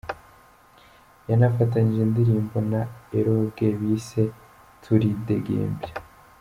Yanafatanyije indirimbo na Eloge bise ‘Turidegembya’.